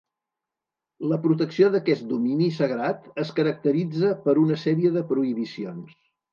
La protecció d'aquest domini sagrat es caracteritza per una sèrie de prohibicions.